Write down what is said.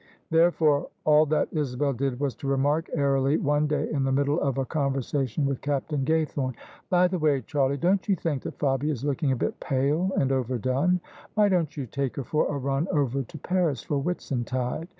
Therefore all that Isabel did was to remark airily one day in the middle of a conversation with Captain Gay thorne :" By the way, Charlie, don't you think that Fabia is looking a bit pale and overdone? Why don't you take her for a run over to Paris for Whitsuntide?